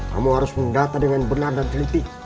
kamu harus mendata dengan benar dan teliti